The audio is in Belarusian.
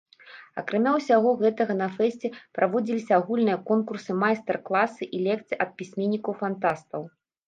Акрамя ўсяго гэтага на фэсце праводзіліся агульныя конкурсы, майстар-класы і лекцыі ад пісьменнікаў-фантастаў.